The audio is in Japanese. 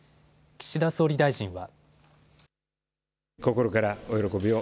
岸田総理大臣は。